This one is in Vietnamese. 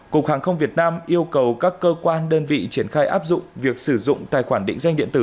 cục hàng không việt nam yêu cầu các cơ quan đơn vị triển khai áp dụng việc sử dụng tài khoản định danh điện tử